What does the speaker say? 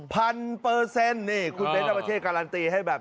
พันเปอร์เซ็นต์